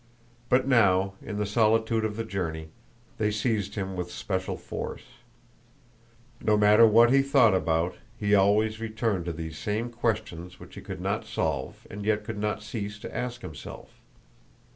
But now, in the solitude of the journey, they seized him with special force. No matter what he thought about, he always returned to these same questions which he could not solve and yet could not cease to ask himself.